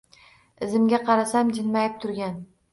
Izimga qarasam jilmayib turgan